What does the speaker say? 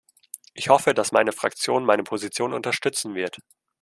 Ich hoffe, dass meine Fraktion meine Position unterstützen wird.